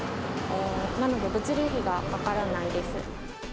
なので、物流費がかからないです。